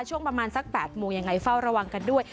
ช่วงประมาณสัก๘โมงยังไงเฝ้าระวังกันด้วย